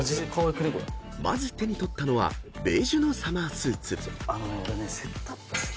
［まず手に取ったのはベージュのサマースーツ］